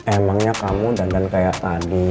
emangnya kamu dadan kayak tadi